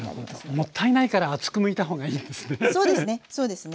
もったいないから厚くむいた方がいいんですね？